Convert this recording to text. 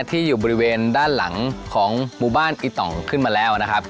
ที่อยู่บริเวณด้านหลังของหมู่บ้านอิตองขึ้นมาแล้วนะครับ